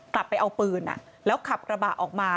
กลับไปเอาปืนแล้วขับกระบะออกมา